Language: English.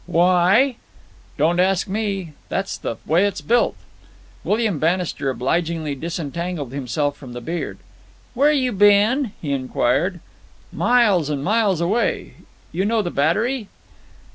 "Why?" "Don't ask me. That's the way it's built." William Bannister obligingly disentangled himself from the beard. "Where you been?" he inquired. "Miles and miles away. You know the Battery?"